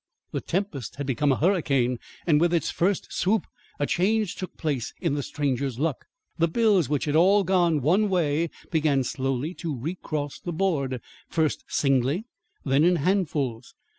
The tempest had become a hurricane, and with its first swoop a change took place in the stranger's luck. The bills which had all gone one way began slowly to recross the board, first singly, then in handfuls.